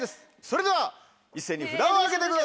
それでは一斉に札を上げてください。